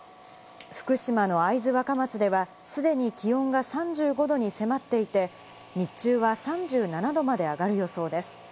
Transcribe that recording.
福島の会津若松では既に気温が３５℃に迫っていて、日中は３７℃まで上がる予想です。